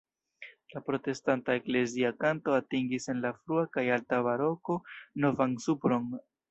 La protestanta eklezia kanto atingis en la frua kaj alta baroko novan supron.